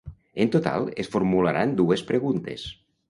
En total, es formularan dues preguntes.